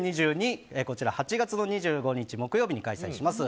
こちら、８月２５日木曜日に開催します。